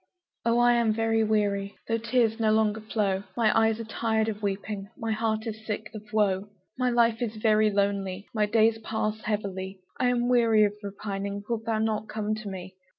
Oh, I am very weary, Though tears no longer flow; My eyes are tired of weeping, My heart is sick of woe; My life is very lonely My days pass heavily, I'm weary of repining; Wilt thou not come to me?